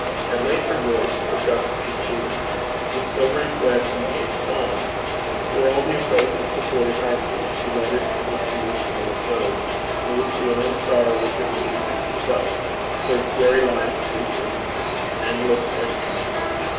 At length her voice took up the theme. The silvery thread became song, and through all the opposing, supporting harmonies she led it to the solution of a close in which the only sorrow was in the music itself, for its very life is an 'endless ending.'